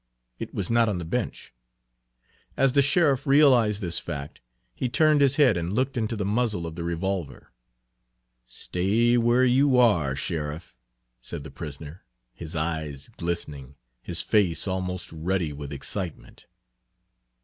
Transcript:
It was not on the bench. As the sheriff realized this fact, he turned his head and looked into the muzzle of the revolver. "Stay where you are, Sheriff," said the prisoner, his eyes glistening, his face almost ruddy with excitement.